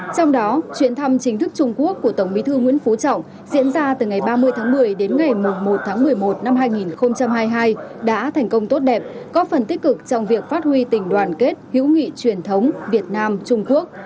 trong đó chuyến thăm chính thức trung quốc của tổng bí thư nguyễn phú trọng diễn ra từ ngày ba mươi tháng một mươi đến ngày một tháng một mươi một năm hai nghìn hai mươi hai đã thành công tốt đẹp có phần tích cực trong việc phát huy tình đoàn kết hữu nghị truyền thống việt nam trung quốc